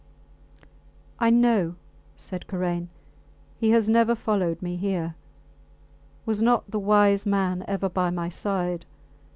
I know, said Karain. He has never followed me here. Was not the wise man ever by my side?